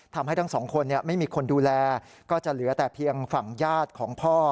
ทั้งสองคนไม่มีคนดูแลก็จะเหลือแต่เพียงฝั่งญาติของพ่อ